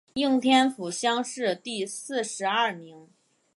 应天府乡试第四十二名。